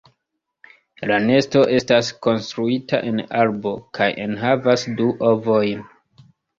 La nesto estas konstruita en arbo, kaj enhavas du ovojn.